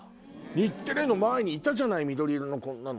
日テレの前にいたじゃない緑色のこんなの。